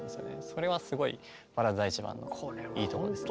それはすごい「バラード第１番」のいいところですね。